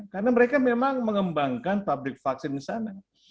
karena mereka memang mengembangkan pabrik vaksin di sana